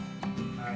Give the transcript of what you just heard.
はい。